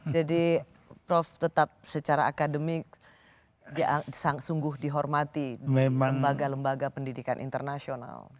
jadi prof tetap secara akademik sungguh dihormati di lembaga lembaga pendidikan internasional